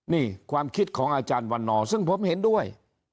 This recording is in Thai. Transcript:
นี่ความคิดของอาจารย์วันนอร์ซึ่งผมเห็นด้วย